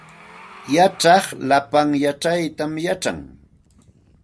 Yachaq lapa yachaytam yachan